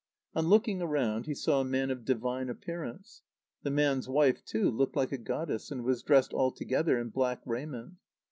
On looking around, he saw a man of divine appearance. The man's wife, too, looked like a goddess, and was dressed altogether in black raiment.